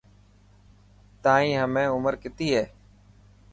تائن همي عمر ڪتي هي.